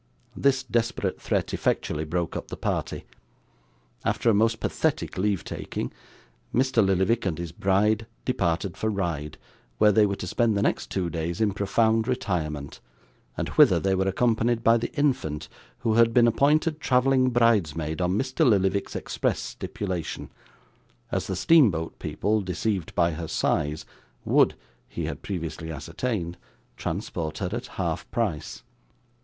This desperate threat effectually broke up the party. After a most pathetic leave taking, Mr. Lillyvick and his bride departed for Ryde, where they were to spend the next two days in profound retirement, and whither they were accompanied by the infant, who had been appointed travelling bridesmaid on Mr. Lillyvick's express stipulation: as the steamboat people, deceived by her size, would (he had previously ascertained) transport her at half price.